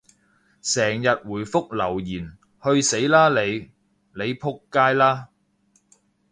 成日回覆留言，去死啦你！你仆街啦！